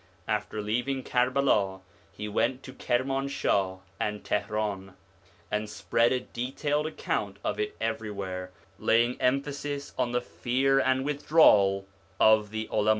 After leaving Karbala he went to Kirmanshah and Tihran, and spread a detailed account of it everywhere, laying emphasis on the fear and withdrawal of the Ulama.